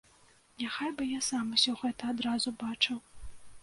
Няхай бы я сам усё гэта адразу бачыў.